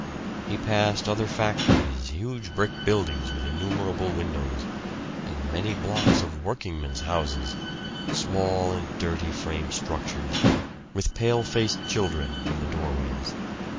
He passed other factories, huge brick buildings with innumerable windows; and many blocks of working men's houses, small and dirty frame structures, with pale faced children in the doorways.